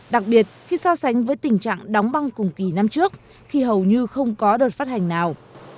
đặc biệt khi so sánh với tình trạng đóng băng cùng kỳ năm trước khi hầu như không có đợt phát hành nào